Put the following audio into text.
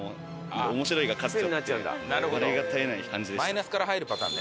「マイナスから入るパターンね」